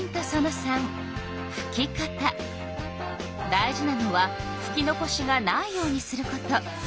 大事なのはふき残しがないようにすること。